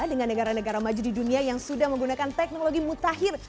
dengan negara negara maju di dunia yang sudah menggunakan teknologi mutakhir